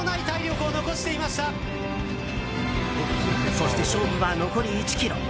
そして勝負は残り１ｋｍ。